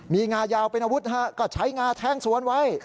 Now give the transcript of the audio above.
มีงายาวเป็นอาวุธก็ใช้งาแทงสวนไว้